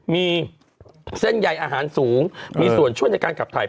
มีเส้นใยอาหารสูงมีส่วนช่วยในการขับถ่าย